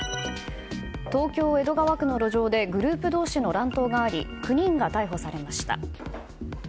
東京・江戸川区の路上でグループ同士の乱闘があり９人が逮捕されました。